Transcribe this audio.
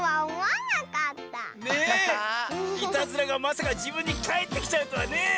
いたずらがまさかじぶんにかえってきちゃうとはねえ。